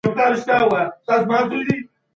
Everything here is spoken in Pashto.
هغوی په خپل ژوند کي ډېري برياوې ترلاسه کړي دي.